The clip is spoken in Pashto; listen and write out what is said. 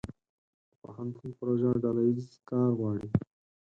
د پوهنتون پروژه ډله ییز کار غواړي.